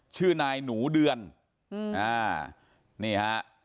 ชื่อนายหนูเดือนนี่ฮะ